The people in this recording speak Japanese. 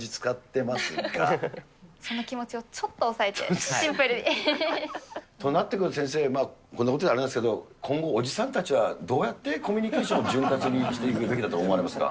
その気持ちをちょっと抑えて、となってくると先生、こんなことじゃあれなんですけど、今後、おじさんたちは、どうやってコミュニケーションを潤滑にしていくべきだと思いますか？